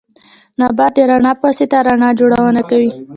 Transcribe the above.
نبات د رڼا په واسطه رڼا جوړونه کوي